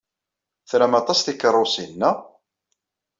Tram aṭas tikeṛṛusin, naɣ?